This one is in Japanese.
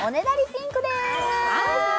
ピンクです